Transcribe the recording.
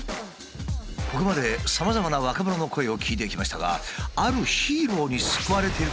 ここまでさまざまな若者の声を聴いてきましたがあるヒーローに救われているという意見もありました。